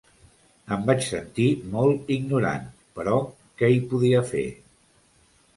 Em vaig sentir molt ignorant, però què hi podia fer?